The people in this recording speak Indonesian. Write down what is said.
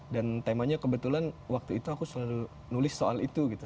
dan temanya kebetulan waktu itu aku selalu nulis soal itu gitu